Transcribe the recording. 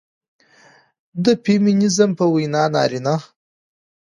د فيمينزم په وينا نارينه